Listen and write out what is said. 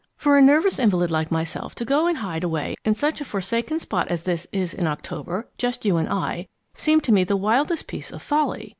For a nervous invalid like myself to go and hide away in such a forsaken spot as this is in October, just you and I, seemed to me the wildest piece of folly.